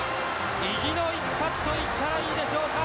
意地の一発と言ったらいいでしょうか。